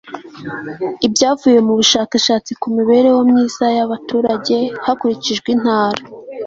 ibyavuye mu bushakashatsi ku mibereho myiza y'abaturage hakurikijwe intara